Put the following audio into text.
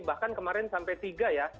bahkan kemarin sampai tiga ya